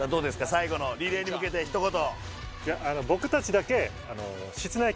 最後のリレーに向けてひと言。